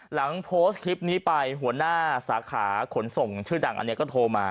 หลังโพสต์คลิปนี้ไปหัวหน้าสาขาขนส่งชื่อดังอันนี้ก็โทรมา